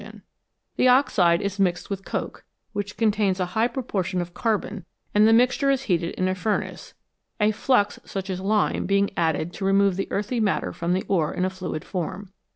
62 METALS, COMMON AND UNCOMMON The oxide is mixed with coke, which contains a high proportion of carbon and the mixture is heated in a furnace, a " flux," such as lime, being added to remove the earthy matter from the ore in a fluid form.